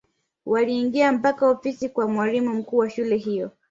waliingia mpaka ofisini kwa mwalimu mkuu wa shule hiyo